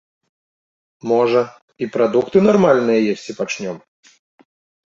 Можа, і прадукты нармальныя есці пачнём!